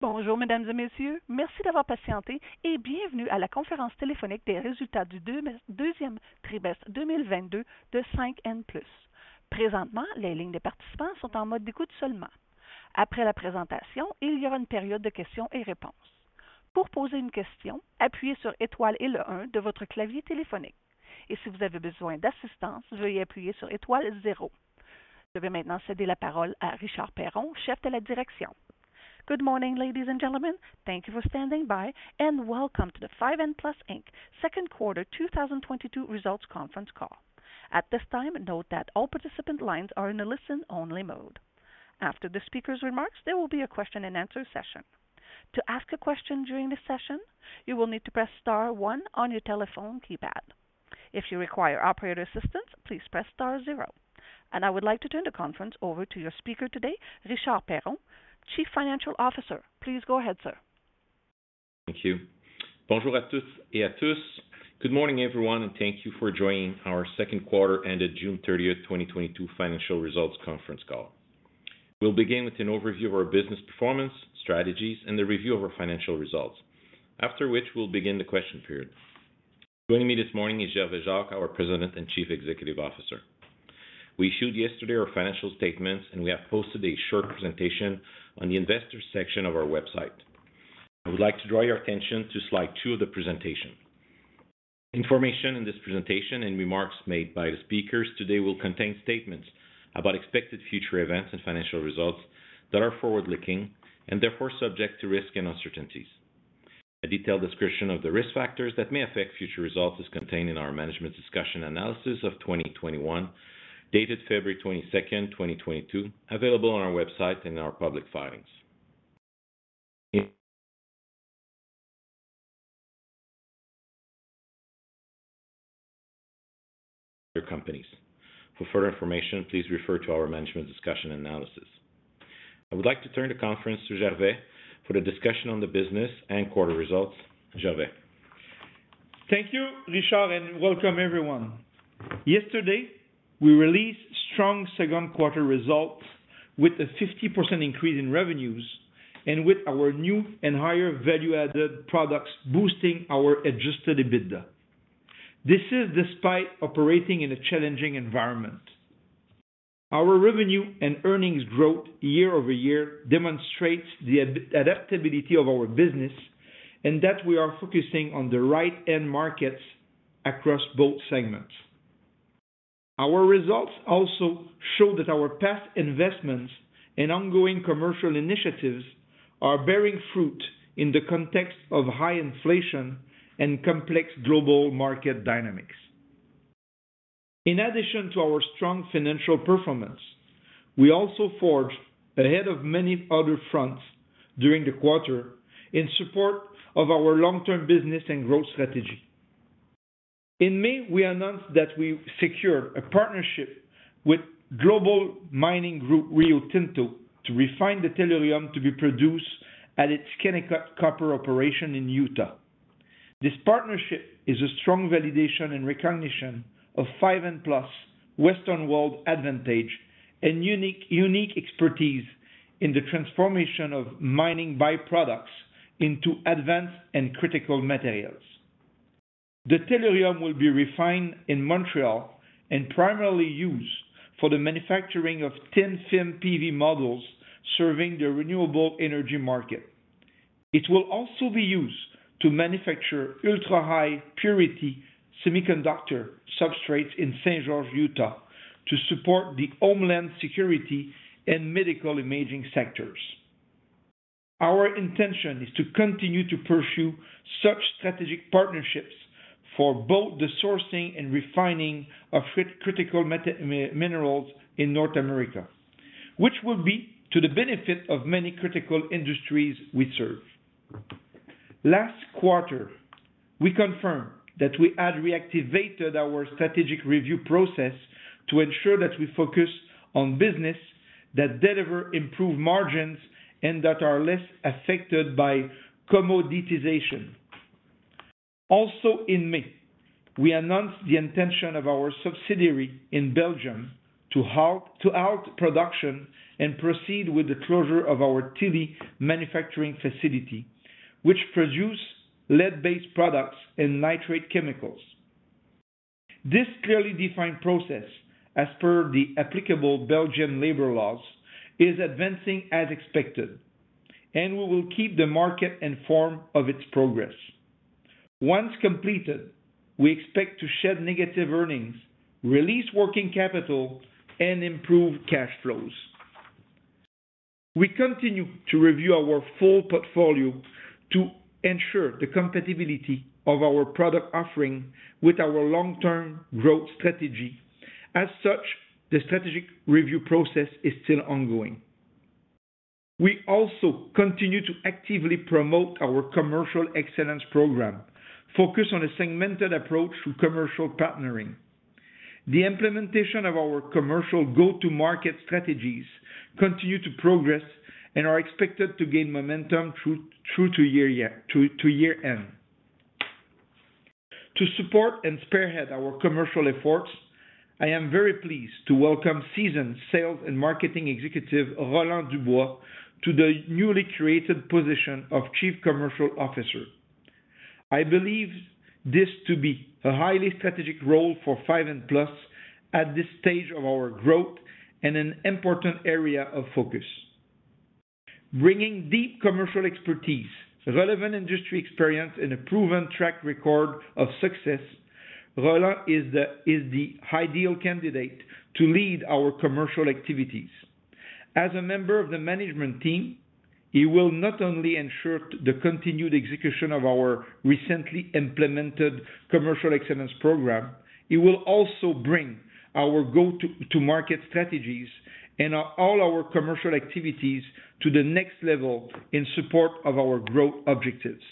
Bonjour, mesdames et messieurs. Merci d'avoir patienté et bienvenue à la conférence téléphonique des résultats du deuxième trimestre 2022 de 5N Plus. Présentement, les lignes des participants sont en mode d'écoute seulement. Après la présentation, il y aura une période de questions et réponses. Pour poser une question, appuyez sur étoile et le un de votre clavier téléphonique. Et si vous avez besoin d'assistance, veuillez appuyer sur étoile zéro. Je vais maintenant céder la parole à Richard Perron, chef de la direction. Good morning, ladies and gentlemen. Thank you for standing by and welcome to the 5N Plus Inc. second quarter 2022 results conference call. At this time, note that all participant lines are in a listen-only mode. After the speaker's remarks, there will be a question and answer session. To ask a question during this session, you will need to press star one on your telephone keypad. If you require operator assistance, please press star zero. I would like to turn the conference over to your speaker today, Richard Perron, Chief Financial Officer. Please go ahead, sir. Thank you. Bonjour à toutes et à tous. Good morning, everyone, and thank you for joining our second quarter ended June 30, 2022 financial results conference call. We'll begin with an overview of our business performance, strategies, and the review of our financial results. After which, we'll begin the question period. Joining me this morning is Gervais Jacques, our President and Chief Executive Officer. We issued yesterday our financial statements, and we have posted a short presentation on the investors section of our website. I would like to draw your attention to slide two of the presentation. Information in this presentation and remarks made by the speakers today will contain statements about expected future events and financial results that are forward-looking and therefore subject to risk and uncertainties. A detailed description of the risk factors that may affect future results is contained in our management discussion analysis of 2021, dated February 22, 2022, available on our website and our public filings. Other companies. For further information, please refer to our management discussion analysis. I would like to turn the conference to Gervais for the discussion on the business and quarter results. Gervais. Thank you, Richard, and welcome everyone. Yesterday, we released strong second quarter results with a 50% increase in revenues and with our new and higher value-added products boosting our Adjusted EBITDA. This is despite operating in a challenging environment. Our revenue and earnings growth year-over-year demonstrates the adaptability of our business and that we are focusing on the right end markets across both segments. Our results also show that our past investments and ongoing commercial initiatives are bearing fruit in the context of high inflation and complex global market dynamics. In addition to our strong financial performance, we also forged ahead of many other fronts during the quarter in support of our long-term business and growth strategy. In May, we announced that we secured a partnership with global mining group Rio Tinto to refine the tellurium to be produced at its Kennecott copper operation in Utah. This partnership is a strong validation and recognition of 5N Plus' western world advantage and unique expertise in the transformation of mining byproducts into advanced and critical materials. The tellurium will be refined in Montreal and primarily used for the manufacturing of thin-film PV modules serving the renewable energy market. It will also be used to manufacture ultra-high purity semiconductor substrates in St. George, Utah, to support the homeland security and medical imaging sectors. Our intention is to continue to pursue such strategic partnerships for both the sourcing and refining of critical minerals in North America, which will be to the benefit of many critical industries we serve. Last quarter, we confirmed that we had reactivated our strategic review process to ensure that we focus on business that deliver improved margins and that are less affected by commoditization. Also in May, we announced the intention of our subsidiary in Belgium to halt production and proceed with the closure of our Tilly manufacturing facility, which produce lead-based products and nitrate chemicals. This clearly defined process, as per the applicable Belgian labor laws, is advancing as expected, and we will keep the market informed of its progress. Once completed, we expect to shed negative earnings, release working capital, and improve cash flows. We continue to review our full portfolio to ensure the compatibility of our product offering with our long-term growth strategy. As such, the strategic review process is still ongoing. We also continue to actively promote our commercial excellence program, focused on a segmented approach through commercial partnering. The implementation of our commercial go-to-market strategies continues to progress and is expected to gain momentum through to year-end. To support and spearhead our commercial efforts, I am very pleased to welcome seasoned sales and marketing executive, Roland Dubois, to the newly created position of Chief Commercial Officer. I believe this to be a highly strategic role for 5N Plus at this stage of our growth and an important area of focus. Bringing deep commercial expertise, relevant industry experience, and a proven track record of success, Roland is the ideal candidate to lead our commercial activities. As a member of the management team, he will not only ensure the continued execution of our recently implemented commercial excellence program, he will also bring our go-to-market strategies and all our commercial activities to the next level in support of our growth objectives.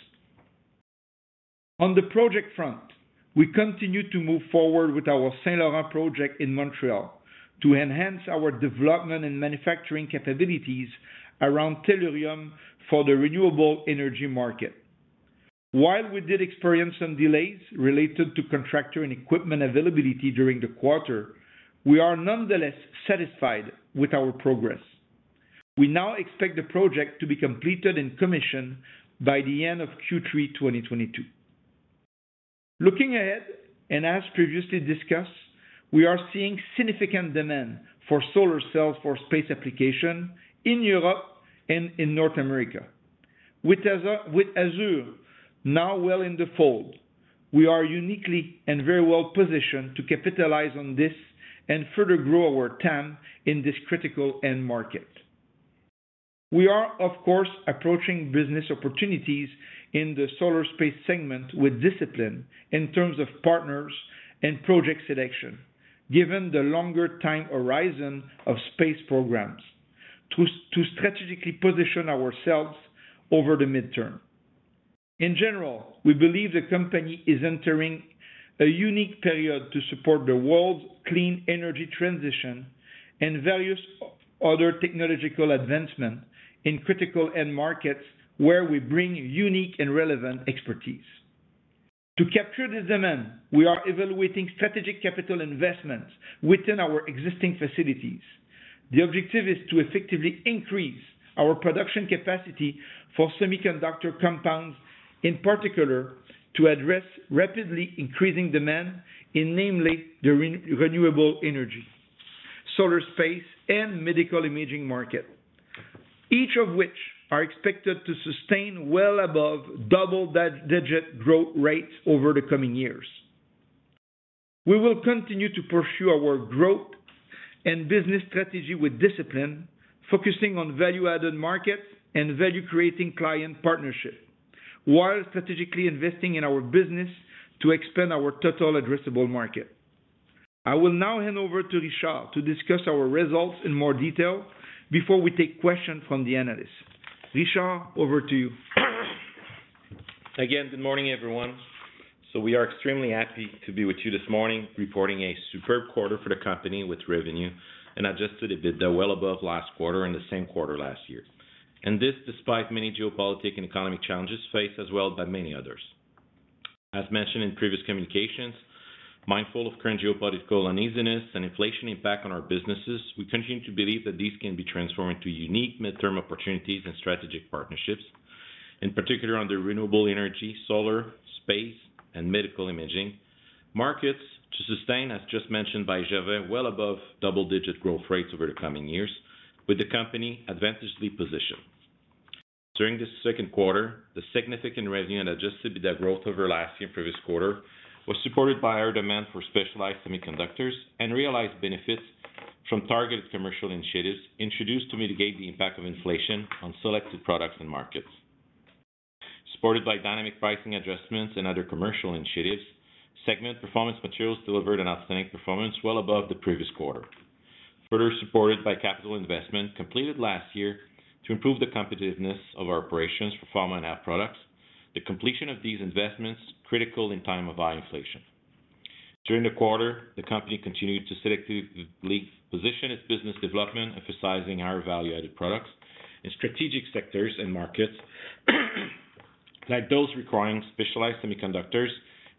On the project front, we continue to move forward with our Saint-Laurent project in Montreal to enhance our development and manufacturing capabilities around tellurium for the renewable energy market. While we did experience some delays related to contractor and equipment availability during the quarter, we are nonetheless satisfied with our progress. We now expect the project to be completed in commission by the end of Q3 2022. Looking ahead, as previously discussed, we are seeing significant demand for solar cells for space application in Europe and in North America. With AZUR now well in the fold, we are uniquely and very well positioned to capitalize on this and further grow our TAM in this critical end market. We are, of course, approaching business opportunities in the solar space segment with discipline in terms of partners and project selection, given the longer time horizon of space programs to strategically position ourselves over the midterm. In general, we believe the company is entering a unique period to support the world's clean energy transition and various other technological advancement in critical end markets where we bring unique and relevant expertise. To capture the demand, we are evaluating strategic capital investments within our existing facilities. The objective is to effectively increase our production capacity for semiconductor compounds, in particular to address rapidly increasing demand in namely the renewable energy, solar space and medical imaging market, each of which are expected to sustain well above double-digit growth rates over the coming years. We will continue to pursue our growth and business strategy with discipline, focusing on value-added markets and value-creating client partnership, while strategically investing in our business to expand our total addressable market. I will now hand over to Richard to discuss our results in more detail before we take questions from the analysts. Richard, over to you. Again, good morning, everyone. We are extremely happy to be with you this morning, reporting a superb quarter for the company with revenue and adjusted EBITDA well above last quarter and the same quarter last year. This, despite many geopolitical and economic challenges faced as well by many others. As mentioned in previous communications, mindful of current geopolitical uneasiness and inflation impact on our businesses, we continue to believe that these can be transformed into unique midterm opportunities and strategic partnerships, in particular on the renewable energy, solar, space, and medical imaging markets to sustain, as just mentioned by Gervais, well above double-digit growth rates over the coming years with the company advantageously positioned. During this second quarter, the significant revenue and adjusted EBITDA growth over last year and previous quarter was supported by our demand for specialized semiconductors and realized benefits from targeted commercial initiatives introduced to mitigate the impact of inflation on selected products and markets. Supported by dynamic pricing adjustments and other commercial initiatives, segment Performance Materials delivered an outstanding performance well above the previous quarter. Further supported by capital investment completed last year to improve the competitiveness of our operations for pharma and health products, the completion of these investments critical in time of high inflation. During the quarter, the company continued to strategically position its business development, emphasizing our value-added products in strategic sectors and markets like those requiring specialized semiconductors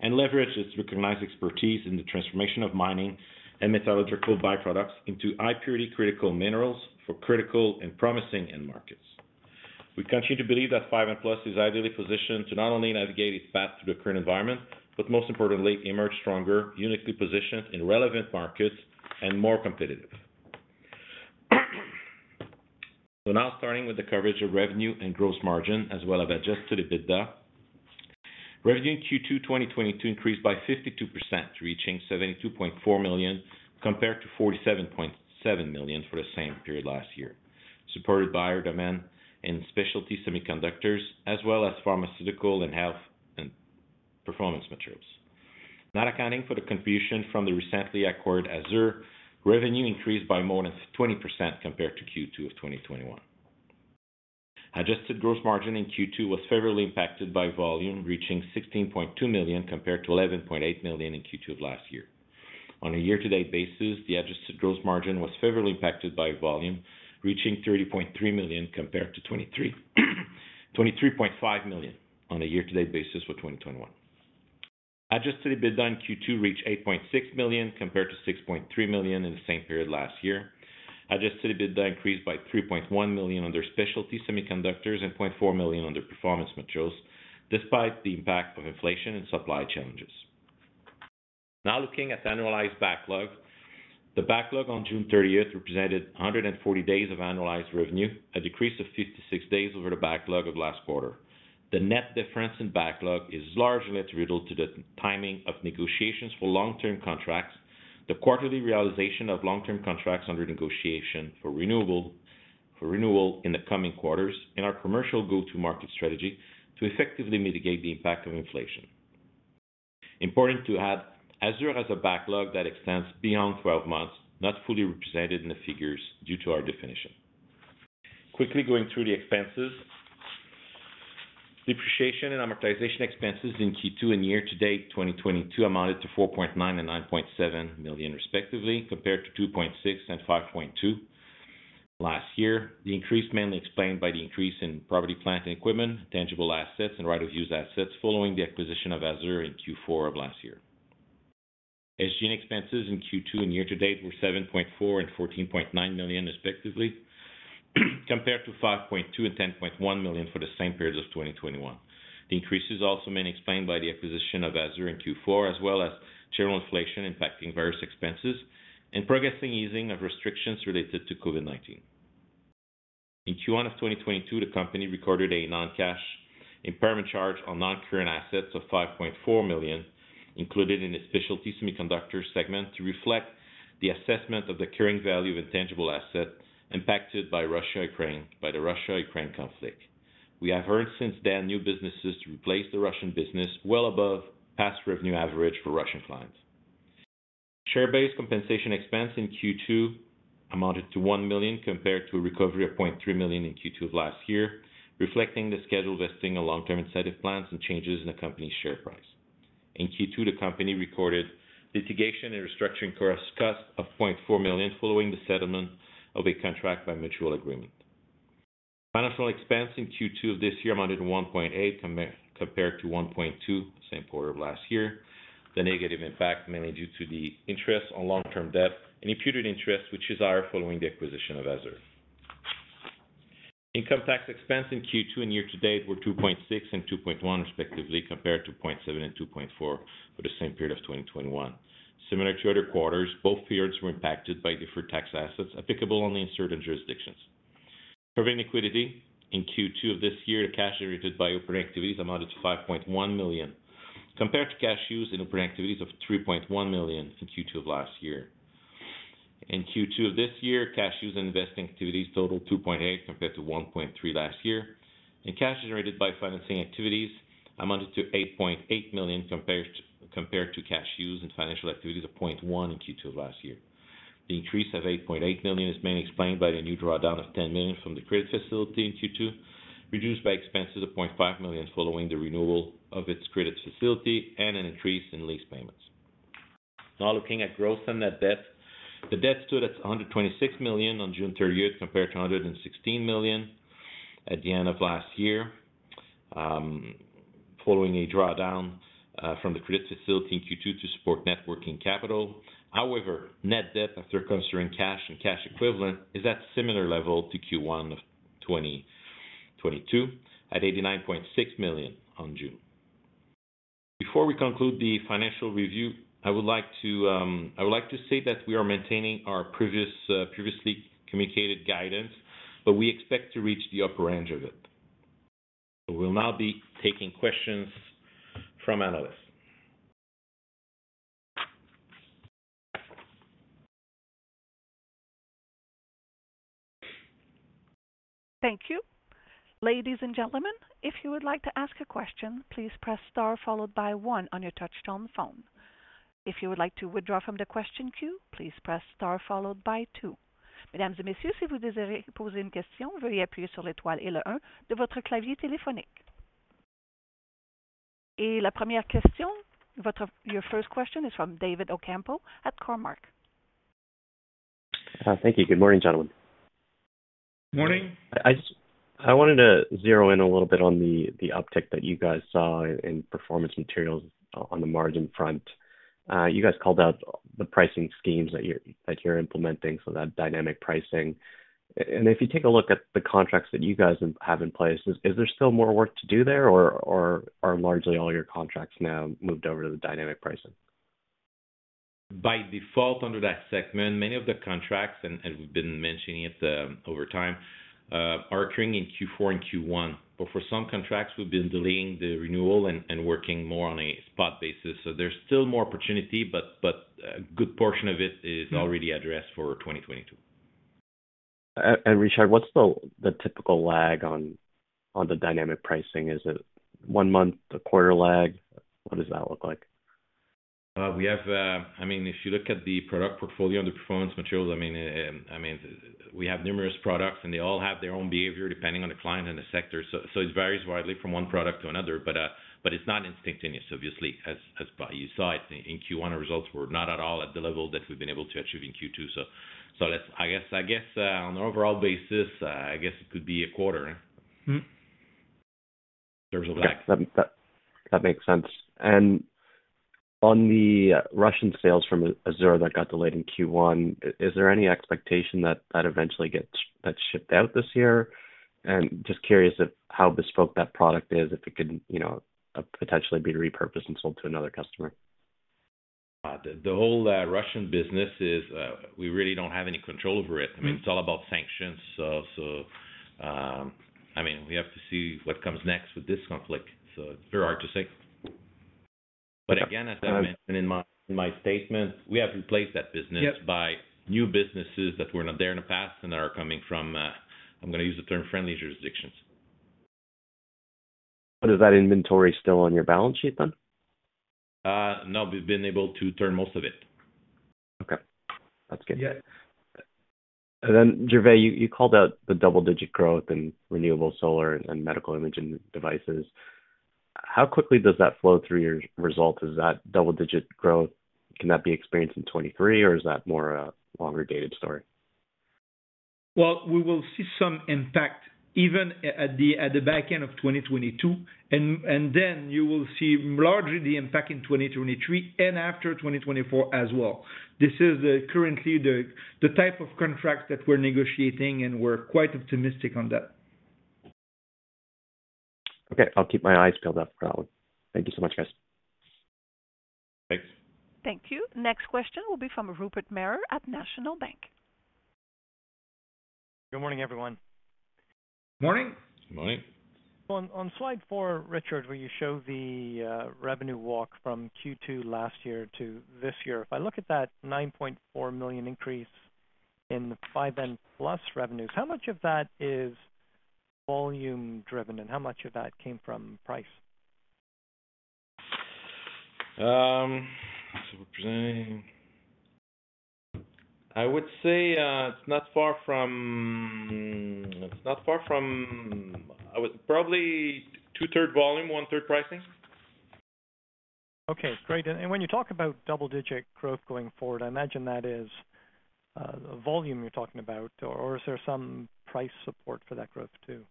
and leverage its recognized expertise in the transformation of mining and metallurgical by-products into high purity critical minerals for critical and promising end markets. We continue to believe that 5N Plus is ideally positioned to not only navigate its path through the current environment, but most importantly, emerge stronger, uniquely positioned in relevant markets and more competitive. Now starting with the coverage of revenue and gross margin, as well as adjusted EBITDA. Revenue in Q2 2022 increased by 52%, reaching $72.4 million compared to $47.7 million for the same period last year, supported by strong demand in Specialty Semiconductors as well as pharmaceutical, health, and Performance Materials. Not accounting for the contribution from the recently AZUR, revenue increased by more than 20% compared to Q2 of 2021. Adjusted gross margin in Q2 was favorably impacted by volume reaching $16.2 million compared to $11.8 million in Q2 of last year. On a year-to-date basis, the adjusted gross margin was favorably impacted by volume reaching $30.3 million compared to $23.5 million on a year-to-date basis for 2021. Adjusted EBITDA in Q2 reached $8.6 million compared to $6.3 million in the same period last year. Adjusted EBITDA increased by $3.1 million under Specialty Semiconductors and $0.4 million under Performance Materials, despite the impact of inflation and supply challenges. Now looking at the annualized backlog. The backlog on June 30 represented 140 days of annualized revenue, a decrease of 56 days over the backlog of last quarter. The net difference in backlog is largely attributable to the timing of negotiations for long-term contracts, the quarterly realization of long-term contracts under negotiation for renewal in the coming quarters, and our commercial go-to-market strategy to effectively mitigate the impact of inflation. Important to AZUR has a backlog that extends beyond 12 months, not fully represented in the figures due to our definition. Quickly going through the expenses. Depreciation and amortization expenses in Q2 and year-to-date 2022 amounted to $4.9 million and $9.7 million respectively, compared to $2.6 million and $5.2 million last year. The increase mainly explained by the increase in property, plant and equipment, tangible assets, and right-of-use assets following the acquisition AZUR in Q4 of last year. SG&A expenses in Q2 and year-to-date were $7.4 million and $14.9 million, respectively, compared to $5.2 million and $10.1 million for the same period of 2021. The increases also mainly explained by the acquisition AZUR in Q4, as well as general inflation impacting various expenses and progressing easing of restrictions related to COVID-19. In Q1 of 2022, the company recorded a non-cash impairment charge on non-current assets of $5.4 million included in the Specialty Semiconductors segment to reflect the assessment of the carrying value of intangible assets impacted by the Russia-Ukraine conflict. We have earned since then new businesses to replace the Russian business well above past revenue average for Russian clients. Share-based compensation expense in Q2 amounted to $1 million compared to a recovery of $0.3 million in Q2 of last year, reflecting the scheduled vesting of long-term incentive plans and changes in the company's share price. In Q2, the company recorded litigation and restructuring costs of $0.4 million following the settlement of a contract by mutual agreement. Financial expense in Q2 of this year amounted to $1.8 million compared to $1.2 million same quarter of last year. The negative impact mainly due to the interest on long-term debt and imputed interest, which arose following the acquisition AZUR. income tax expense in Q2 and year-to-date were $2.6 million and $2.1 million respectively, compared to $0.7 million and $2.4 million for the same period of 2021. Similar to other quarters, both periods were impacted by deferred tax assets applicable only in certain jurisdictions. Operating liquidity in Q2 of this year, the cash generated by operating activities amounted to $5.1 million, compared to cash used in operating activities of $3.1 million in Q2 of last year. In Q2 of this year, cash used in investing activities totaled $2.8 million compared to $1.3 million last year, and cash generated by financing activities amounted to $8.8 million compared to cash used in financing activities of $0.1 million in Q2 of last year. The increase of $8.8 million is mainly explained by the new drawdown of $10 million from the credit facility in Q2, reduced by expenses of $0.5 million following the renewal of its credit facility and an increase in lease payments. Now looking at gross and net debt. The debt stood at $126 million on June thirtieth, compared to $116 million at the end of last year, following a drawdown from the credit facility in Q2 to support net working capital. However, net debt after considering cash and cash equivalent is at similar level to Q1 of 2022 at $89.6 million on June. Before we conclude the financial review, I would like to say that we are maintaining our previous, previously communicated guidance, but we expect to reach the upper range of it. We will now be taking questions from analysts. Thank you. Ladies and gentlemen, if you would like to ask a question, please press star followed by one on your touchtone phone. If you would like to withdraw from the question queue, please press star followed by two. Your first question is from David Ocampo at Cormark. Thank you. Good morning, gentlemen. Morning. I wanted to zero in a little bit on the uptick that you guys saw in Performance Materials on the margin front. You guys called out the pricing schemes that you're implementing, so that dynamic pricing. If you take a look at the contracts that you guys have in place, is there still more work to do there or are largely all your contracts now moved over to the dynamic pricing? By default under that segment, many of the contracts we've been mentioning it over time are occurring in Q4 and Q1. But for some contracts, we've been delaying the renewal and working more on a spot basis. There's still more opportunity, but a good portion of it is already addressed for 2022. Richard, what's the typical lag on the dynamic pricing? Is it one month, a quarter lag? What does that look like? We have, I mean, if you look at the product portfolio and the Performance Materials, I mean, we have numerous products, and they all have their own behavior depending on the client and the sector. So it varies widely from one product to another. But it's not instantaneous, obviously, as you saw it in Q1, our results were not at all at the level that we've been able to achieve in Q2. So let's. I guess on an overall basis, I guess it could be a quarter, huh? Mm-hmm. In terms of that. Okay. That makes sense. On the Russian sales from AZUR that got delayed in Q1, is there any expectation that eventually gets shipped out this year? Just curious how bespoke that product is, if it could, you know, potentially be repurposed and sold to another customer. The whole Russian business is, we really don't have any control over it. I mean, it's all about sanctions. I mean, we have to see what comes next with this conflict, so it's very hard to say. Again, as I mentioned in my statement, we have replaced that business. Yep By new businesses that were not there in the past and are coming from, I'm gonna use the term friendly jurisdictions. Is that inventory still on your balance sheet then? No, we've been able to turn most of it. Okay. That's good. Yeah. Gervais, you called out the double-digit growth in renewable solar and medical imaging devices. How quickly does that flow through your result? Is that double-digit growth, can that be experienced in 2023, or is that more a longer dated story? Well, we will see some impact even at the back end of 2022, and then you will see largely the impact in 2023 and after 2024 as well. This is currently the type of contracts that we're negotiating, and we're quite optimistic on that. Okay. I'll keep my eyes peeled for that one. Thank you so much, guys. Thanks. Thank you. Next question will be from Rupert Merer at National Bank. Good morning, everyone. Morning. Morning. On slide four, Richard, where you show the revenue walk from Q2 last year to this year, if I look at that $9.4 million increase in the 5N Plus revenues, how much of that is volume driven, and how much of that came from price? We're presenting. I would say, it's not far from probably two-thirds volume, one-third pricing. Okay, great. When you talk about double-digit growth going forward, I imagine that is, volume you're talking about or is there some price support for that growth too?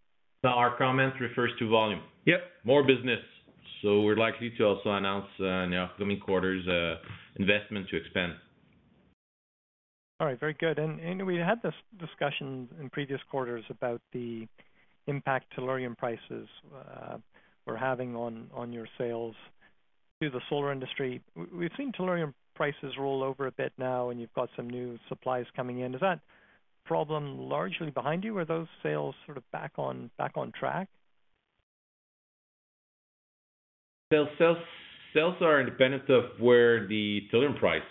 No, our comment refers to volume. Yep. More business. We're likely to also announce, in the upcoming quarters, investment to expand. All right, very good. We had this discussion in previous quarters about the impact tellurium prices were having on your sales to the solar industry. We've seen tellurium prices roll over a bit now, and you've got some new supplies coming in. Is that problem largely behind you? Are those sales sort of back on track? Sales are independent of where the tellurium price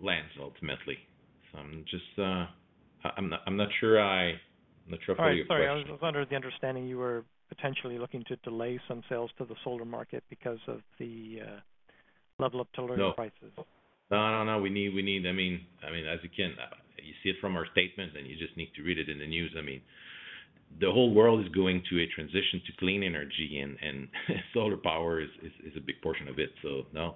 lands ultimately. I'm just not sure I follow your question. All right. Sorry. I was under the understanding you were potentially looking to delay some sales to the solar market because of the level of tellurium prices. No. We need, I mean, as you can see it from our statement, and you just need to read it in the news. I mean, the whole world is going to a transition to clean energy and solar power is a big portion of it, so no.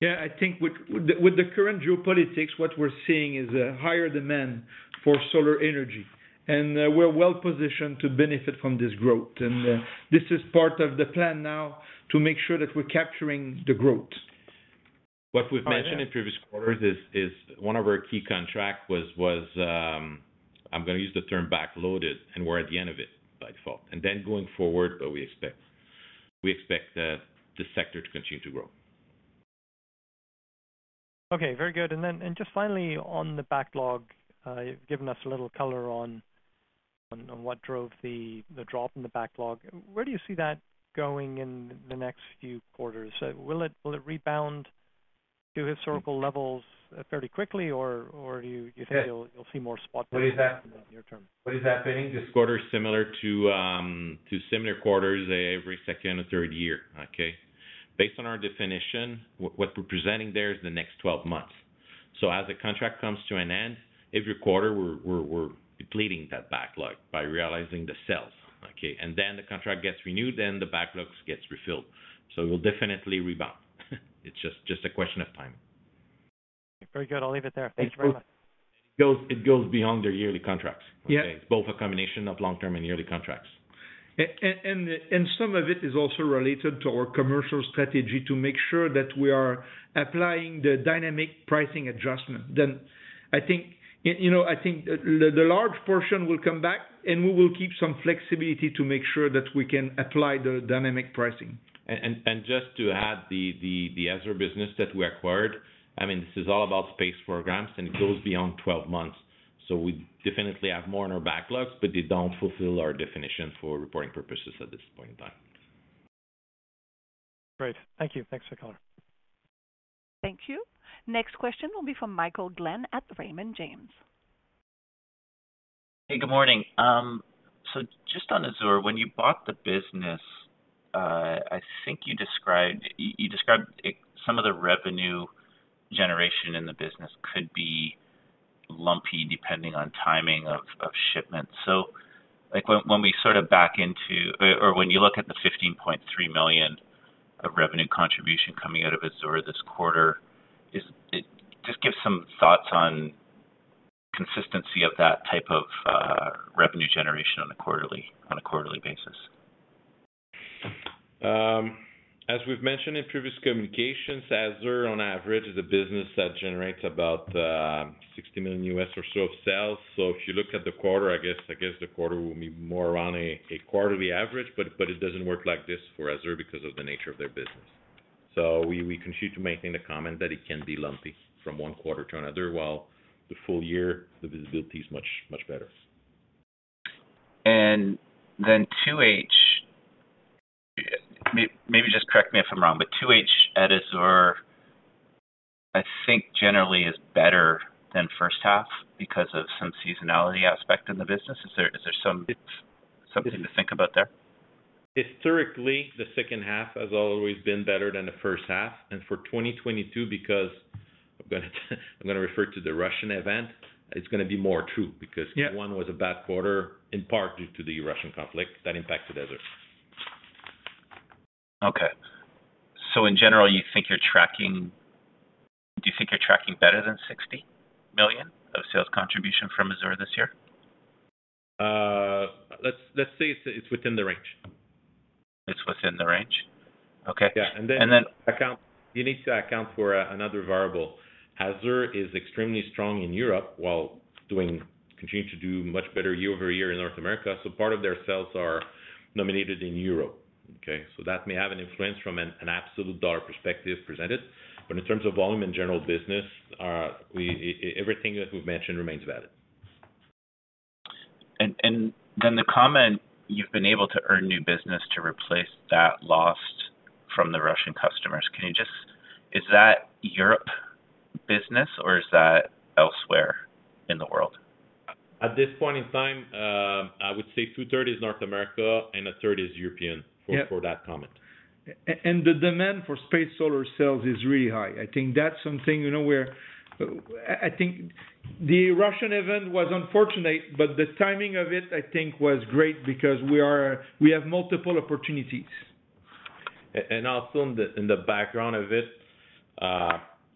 Yeah. I think with the current geopolitics, what we're seeing is a higher demand for solar energy, and we're well positioned to benefit from this growth. This is part of the plan now to make sure that we're capturing the growth. What we've mentioned in previous quarters is one of our key contract was, I'm gonna use the term backloaded, and we're at the end of it, by default. Going forward, though, we expect the sector to continue to grow. Okay, very good. Just finally on the backlog, you've given us a little color on what drove the drop in the backlog. Where do you see that going in the next few quarters? Will it rebound to historical levels fairly quickly or do you feel you'll see more spot- What is happening? In the near term. What is happening this quarter is similar to similar quarters every second or third year, okay? Based on our definition, what we're presenting there is the next 12 months. As the contract comes to an end, every quarter we're depleting that backlog by realizing the sales, okay? Then the contract gets renewed, then the backlogs gets refilled. We'll definitely rebound. It's just a question of time. Very good. I'll leave it there. Thank you very much. It goes beyond the yearly contracts. Yeah. It's both a combination of long-term and yearly contracts. Some of it is also related to our commercial strategy to make sure that we are applying the dynamic pricing adjustment. I think, you know, the large portion will come back, and we will keep some flexibility to make sure that we can apply the dynamic pricing. Just to add the AZUR business that we acquired, I mean, this is all about space programs, and it goes beyond 12 months. We definitely have more in our backlogs, but they don't fulfill our definition for reporting purposes at this point in time. Great. Thank you. Thanks for color. Thank you. Next question will be from Michael Glen at Raymond James. Hey, good morning. Just on AZUR, when you bought the business, I think you described it, some of the revenue generation in the business could be lumpy depending on timing of shipments. Like when we sort of back into or when you look at the $15.3 million of revenue contribution coming out of AZUR this quarter, is it? Just give some thoughts on consistency of that type of revenue generation on a quarterly basis. As we've mentioned in previous AZUR on average is a business that generates about $60 million or so of sales. If you look at the quarter, I guess the quarter will be more around a quarterly average, but it doesn't work like this AZUR because of the nature of their business. We continue to maintain the comment that it can be lumpy from one quarter to another, while the full year, the visibility is much better. 2H, maybe just correct me if I'm wrong, but 2H AZUR, i think generally is better than first half because of some seasonality aspect in the business. Is there some- It's- Something to think about there? Historically, the second half has always been better than the first half. For 2022, because I'm gonna refer to the Russian event, it's gonna be more true because. Yeah Q1 was a bad quarter, in part due to the Russian conflict that impacted AZUR. Okay. In general, do you think you're tracking better than $60 million of sales contribution AZUR this year? Let's say it's within the range. It's within the range? Okay. Yeah. And then- You need to account for another AZUR is extremely strong in Europe while it continues to do much better year-over-year in North America, so part of their sales are denominated in euros. Okay? That may have an influence from an absolute dollar perspective presented. But in terms of volume and general business, everything that we've mentioned remains valid. The comment you've been able to earn new business to replace that lost from the Russian customers. Is that Europe business or is that elsewhere in the world? At this point in time, I would say two-thirds is North America and a third is European. Yeah for that comment. The demand for space solar cells is really high. I think that's something, you know. I think the Russian event was unfortunate, but the timing of it, I think was great because we have multiple opportunities. Also in the background of it,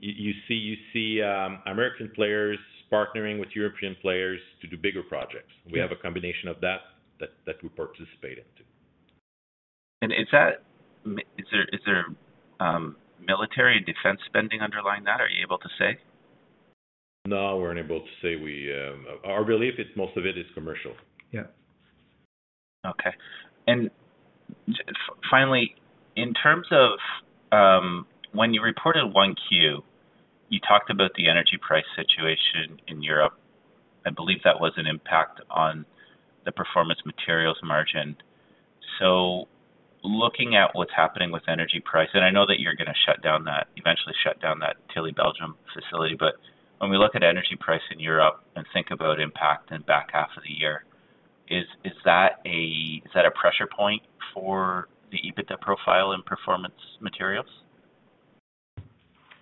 you see American players partnering with European players to do bigger projects. Yeah. We have a combination of that we participate into. Is there military and defense spending underlying that? Are you able to say? No, we're unable to say. Our belief is most of it is commercial. Yeah. Finally, in terms of when you reported 1Q, you talked about the energy price situation in Europe. I believe that was an impact on the Performance Materials margin. Looking at what's happening with energy price, and I know that you're gonna eventually shut down that Tilly, Belgium facility. When we look at energy price in Europe and think about impact in back half of the year, is that a pressure point for the EBITDA profile and Performance Materials?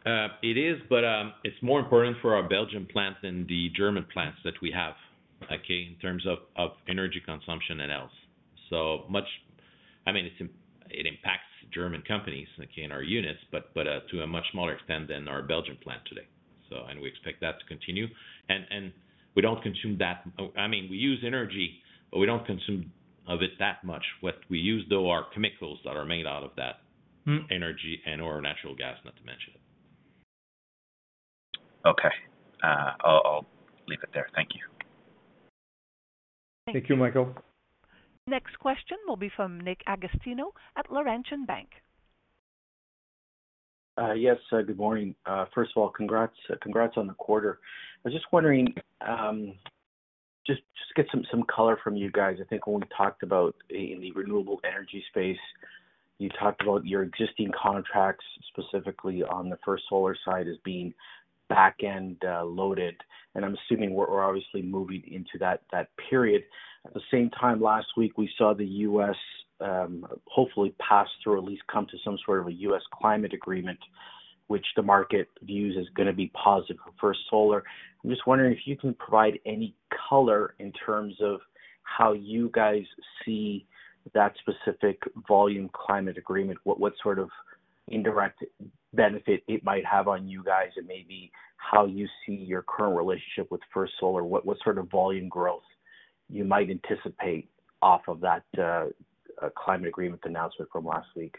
It is, but it's more important for our Belgium plants than the German plants that we have, okay? In terms of energy consumption and else. I mean, it impacts German companies, okay, in our units, but to a much smaller extent than our Belgium plant today, so. We expect that to continue. We don't consume that much. I mean, we use energy, but we don't consume of it that much. What we use, though, are chemicals that are made out of that. Mm-hmm energy and/or natural gas, not to mention it. Okay. I'll leave it there. Thank you. Thank you. Thank you, Michael. Next question will be from Nick Agostino at Laurentian Bank. Yes. Good morning. First of all, congrats on the quarter. I was just wondering, just to get some color from you guys. I think when we talked about in the renewable energy space, you talked about your existing contracts, specifically on the First Solar side as being back-end loaded. I'm assuming we're obviously moving into that period. At the same time last week, we saw the U.S. hopefully pass through or at least come to some sort of a U.S. climate agreement, which the market views as gonna be positive for solar. I'm just wondering if you can provide any color in terms of how you guys see that specific Biden climate agreement. What sort of indirect benefit it might have on you guys, and maybe how you see your current relationship with First Solar. What sort of volume growth you might anticipate off of that climate agreement announcement from last week?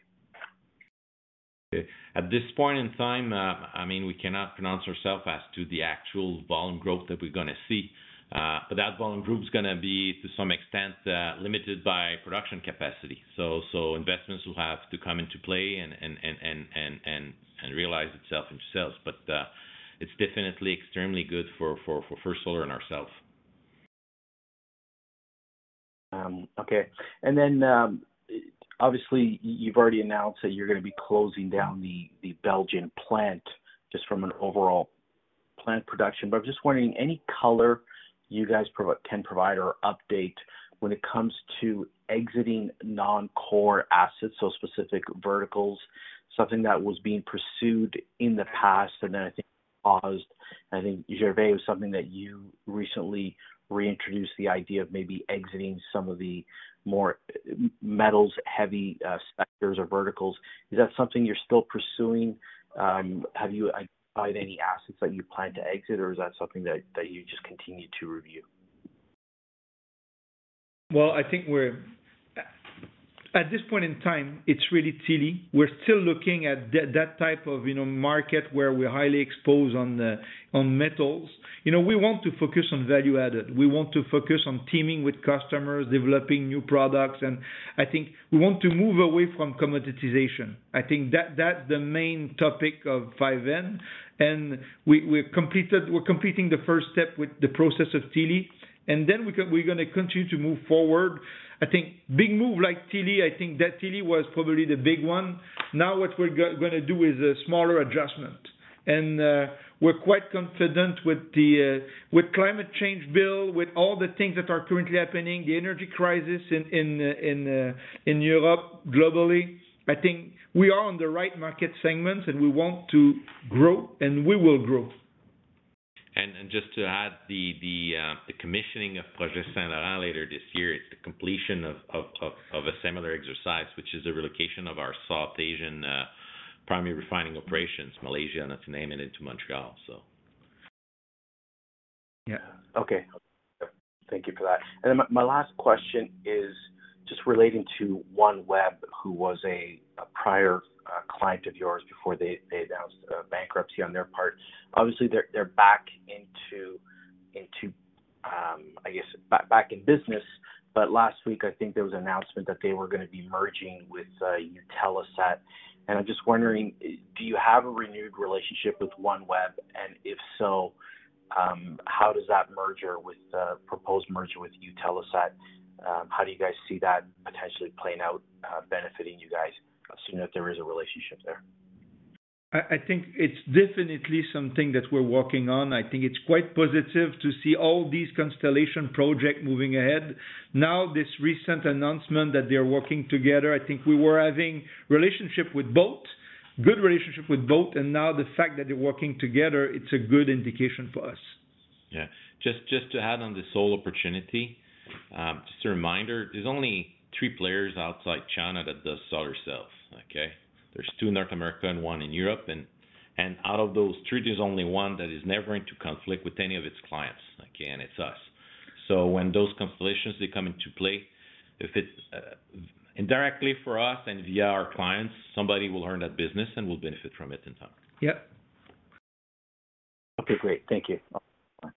At this point in time, I mean, we cannot pronounce ourselves as to the actual volume growth that we're gonna see. That volume growth is gonna be to some extent limited by production capacity. Investments will have to come into play and realize itself in sales. It's definitely extremely good for First Solar and ourselves. Okay. Obviously you've already announced that you're gonna be closing down the Belgian plant just from an overall plant production. I'm just wondering, any color you guys can provide or update when it comes to exiting non-core assets, so specific verticals, something that was being pursued in the past and then I think paused. I think, Gervais, it was something that you recently reintroduced the idea of maybe exiting some of the more metals heavy, sectors or verticals. Is that something you're still pursuing? Have you identified any assets that you plan to exit, or is that something that you just continue to review? Well, I think we're at this point in time, it's really Tilly. We're still looking at that type of, you know, market where we're highly exposed on metals. You know, we want to focus on value added. We want to focus on teaming with customers, developing new products, and I think we want to move away from commoditization. I think that's the main topic of 5N. We're completing the first step with the process of Tilly, and then we're gonna continue to move forward. I think big move like Tilly, I think that Tilly was probably the big one. Now what we're gonna do is a smaller adjustment. We're quite confident with the climate change bill, with all the things that are currently happening, the energy crisis in Europe, globally. I think we are on the right market segments and we want to grow and we will grow. Just to add the commissioning of Project Saint‐Laurent later this year, it's the completion of a similar exercise, which is a relocation of our South Asian primary refining operations, Malaysia, not to name it, into Montreal, so. Yeah. Okay. Thank you for that. My last question is just relating to OneWeb, who was a prior client of yours before they announced bankruptcy on their part. Obviously, they're back in business. Last week, I think there was an announcement that they were gonna be merging with Eutelsat. I'm just wondering, do you have a renewed relationship with OneWeb? If so, how do you guys see that proposed merger with Eutelsat potentially playing out, benefiting you guys, assuming that there is a relationship there? I think it's definitely something that we're working on. I think it's quite positive to see all these constellation project moving ahead. Now, this recent announcement that they're working together, I think we were having relationship with both, good relationship with both, and now the fact that they're working together, it's a good indication for us. Yeah. Just to add on this whole opportunity, just a reminder, there's only three players outside China that does solar cells, okay? There's two in North America and one in Europe and out of those three, there's only one that is never into conflict with any of its clients, okay? It's us. When those constellations, they come into play, if it's indirectly for us and via our clients, somebody will earn that business and will benefit from it in time. Yep. Okay, great. Thank you. Bye.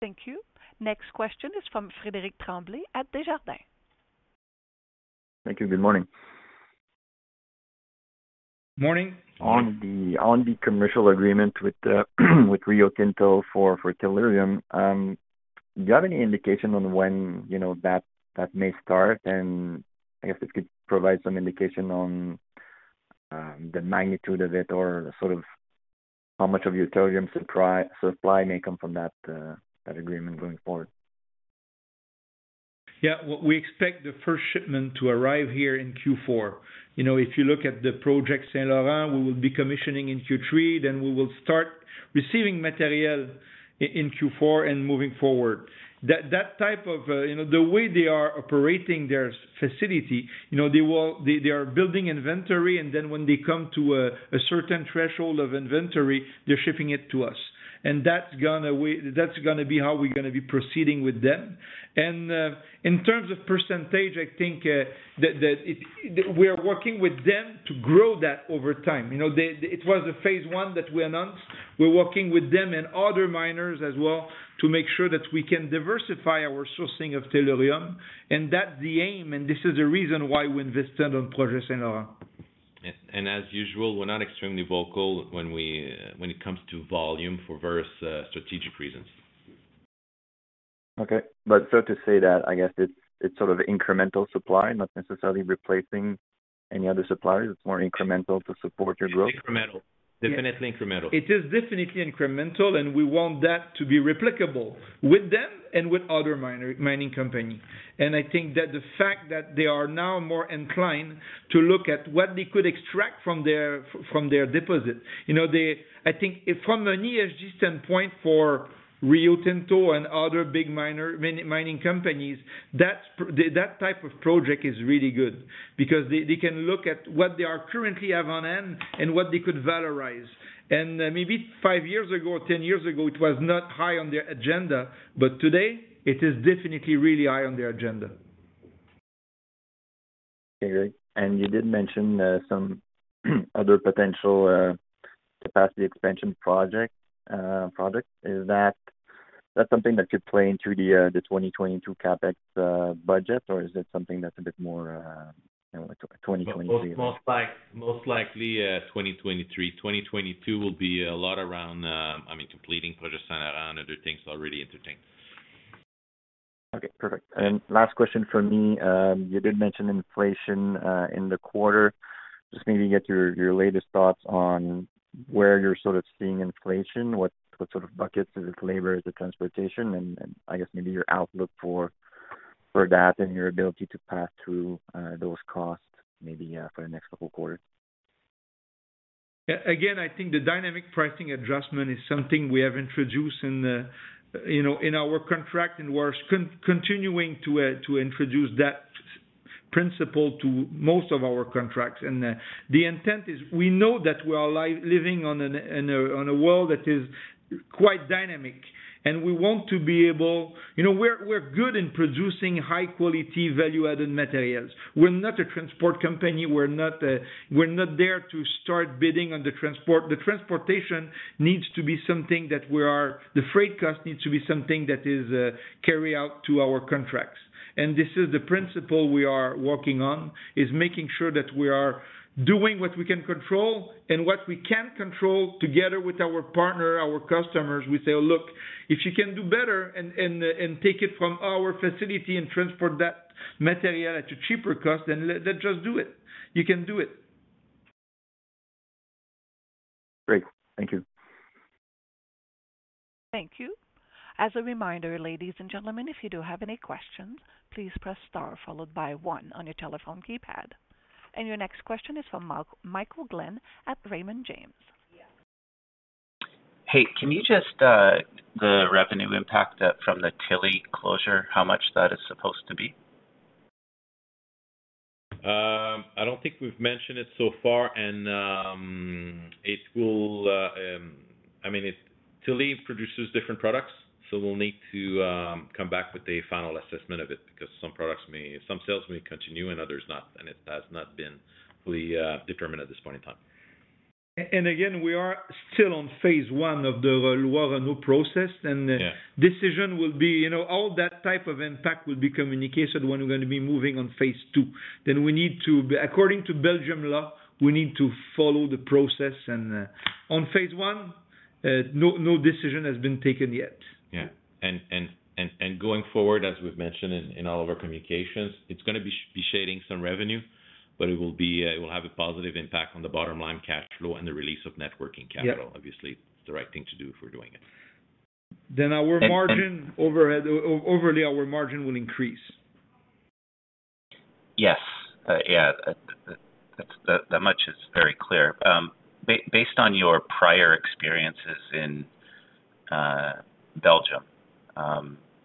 Thank you. Next question is from Frédéric Tremblay at Desjardins. Thank you. Good morning. Morning. on the commercial agreement with the Rio Tinto for tellurium, do you have any indication on when, you know, that may start? I guess if you could provide some indication on the magnitude of it or sort of how much of your tellurium supply may come from that agreement going forward. Yeah. We expect the first shipment to arrive here in Q4. You know, if you look at the project St. Laurent, we will be commissioning in Q3, then we will start receiving material in Q4 and moving forward. That type of, you know, the way they are operating their facility, you know, they are building inventory, and then when they come to a certain threshold of inventory, they're shipping it to us. That's gonna be how we're gonna be proceeding with them. In terms of percentage, I think that we are working with them to grow that over time. You know, it was a phase one that we announced. We're working with them and other miners as well to make sure that we can diversify our sourcing of tellurium. that the aim, and this is the reason why we invested on Project Saint-Laurent. As usual, we're not extremely vocal when it comes to volume for various strategic reasons. Okay. To say that, I guess it's sort of incremental supply, not necessarily replacing any other suppliers. It's more incremental to support your growth. Incremental. Definitely incremental. It is definitely incremental, and we want that to be replicable with them and with other mining company. I think that the fact that they are now more inclined to look at what they could extract from their deposit. You know, they I think from an ESG standpoint for Rio Tinto and other big mining companies, that's that type of project is really good because they can look at what they are currently have on hand and what they could valorize. Maybe five years ago or 10 years ago, it was not high on their agenda, but today it is definitely really high on their agenda. Okay. You did mention some other potential capacity expansion project. Is that something that could play into the 2022 CapEx budget, or is it something that's a bit more, you know, like 2023? Most likely 2023. 2022 will be a lot around, I mean, completing Project Saint-Laurent, other things already in train. Okay, perfect. Last question from me. You did mention inflation in the quarter. Just maybe get your latest thoughts on where you're sort of seeing inflation, what sort of buckets. Is it labor? Is it transportation? I guess maybe your outlook for that and your ability to pass through those costs maybe for the next couple quarters. Again, I think the dynamic pricing adjustment is something we have introduced in the, you know, in our contract, and we're continuing to introduce that principle to most of our contracts. The intent is we know that we are living in a world that is quite dynamic. You know, we're good in producing high quality value-added materials. We're not a transport company. We're not there to start bidding on the transport. The transportation needs to be something that we are. The freight cost needs to be something that is carried over to our contracts. This is the principle we are working on, is making sure that we are doing what we can control. What we can't control, together with our partner, our customers, we say, "Look, if you can do better and take it from our facility and transport that material at a cheaper cost, then just do it. You can do it. Great. Thank you. Thank you. As a reminder, ladies and gentlemen, if you do have any questions, please press star followed by one on your telephone keypad. Your next question is from Michael Glen at Raymond James. Hey, can you just the revenue impact from the Tilly closure, how much that is supposed to be? I don't think we've mentioned it so far, and I mean, Tilly produces different products, so we'll need to come back with a final assessment of it because some sales may continue and others not, and it has not been fully determined at this point in time. We are still on phase one of the process. Yeah. Decision will be, you know, all that type of impact will be communicated when we're gonna be moving on phase two. According to Belgian law, we need to follow the process. On phase one, no decision has been taken yet. Yeah. Going forward, as we've mentioned in all of our communications, it's gonna be shedding some revenue, but it will have a positive impact on the bottom line cash flow and the release of working capital. Yeah. Obviously, it's the right thing to do if we're doing it. Our margin. And- Overall, our margin will increase. Yes. Yeah, that much is very clear. Based on your prior experiences in Belgium,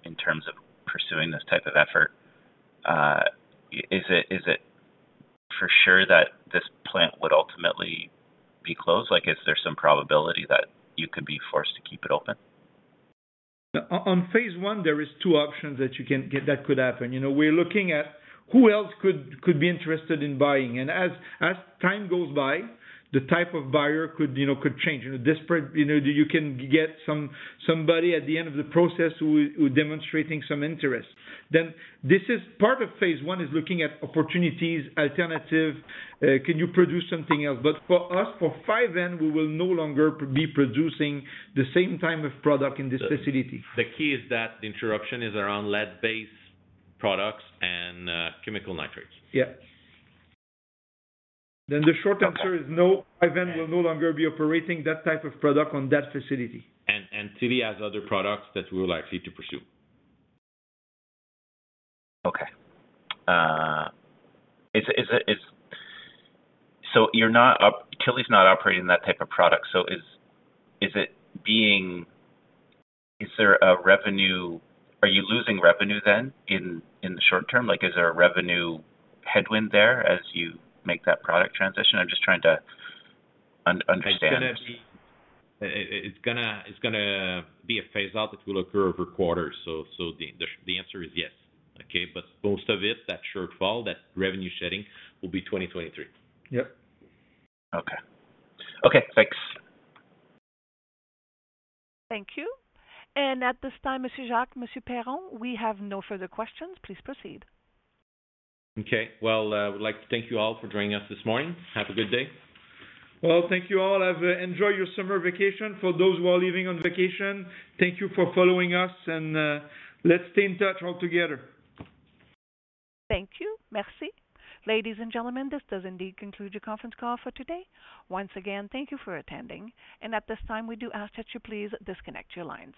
in terms of pursuing this type of effort, is it for sure that this plant would ultimately be closed? Like, is there some probability that you could be forced to keep it open? On phase one, there is two options that you can get that could happen. You know, we're looking at who else could be interested in buying. As time goes by, the type of buyer could, you know, could change. You know, desperate, you know, you can get somebody at the end of the process who demonstrating some interest. This is part of phase one is looking at opportunities, alternative, can you produce something else? For us, for 5N Plus, we will no longer be producing the same type of product in this facility. The key is that the interruption is around lead-based products and chemical nitrates. Yeah. The short answer is no. 5N Plus will no longer be operating that type of product on that facility. Tilly has other products that we would like to pursue. Okay. Tilly's not operating that type of product, so are you losing revenue then in the short term? Like, is there a revenue headwind there as you make that product transition? I'm just trying to understand. It's gonna be a phase out that will occur over quarters. The answer is yes. Okay. Most of it, that shortfall, that revenue shedding will be 2023. Yep. Okay. Okay, thanks. Thank you. At this time, Monsieur Jacques, Monsieur Perron, we have no further questions. Please proceed. Okay. Well, I would like to thank you all for joining us this morning. Have a good day. Well, thank you all. Enjoy your summer vacation for those who are leaving on vacation. Thank you for following us, and let's stay in touch all together. Thank you. Merci. Ladies and gentlemen, this does indeed conclude your conference call for today. Once again, thank you for attending. At this time, we do ask that you please disconnect your lines.